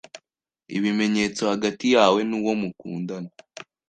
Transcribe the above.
ibimenyetso hagati yawe n’uwo mukundana